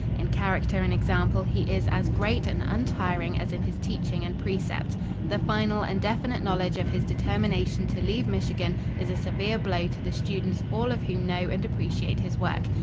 In character and example he is as great and untiring as in his teaching and precept. The final and definite knowledge of his determination to leave Michigan is a severe blow to the students all of whom know and appreciate his work.